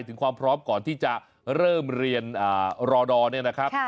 ถึงความพร้อมก่อนที่จะเริ่มเรียนรอดอร์เนี่ยนะครับ